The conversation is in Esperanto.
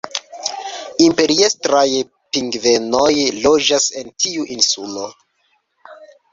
Imperiestraj pingvenoj loĝas en tiu insulo.